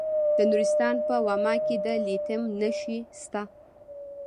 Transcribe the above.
د نورستان په واما کې د لیتیم نښې شته.